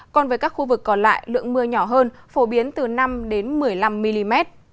còn với các khu vực còn lại lượng mưa nhỏ hơn phổ biến từ năm một mươi năm mm